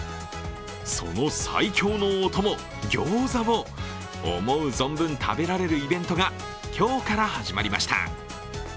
その最強のお供、餃子を思う存分食べられるイベントが今日から始まりました。